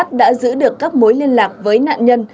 các trinh sát đã giữ được các mối liên lạc với nạn nhân